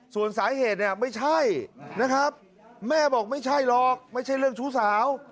ส่วนสาเหตุเนี่ยไม่ใช่นะครับแม่บอกไม่ใช่หรอกไม่ใช่เรื่องชู้สาว